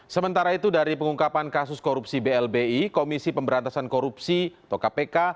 sementara itu dari pengungkapan kasus korupsi blbi komisi pemberantasan korupsi atau kpk